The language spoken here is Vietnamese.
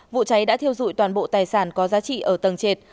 vụ cháy đã thiêu dụi toàn bộ tài sản có giá trị ở tầng trệt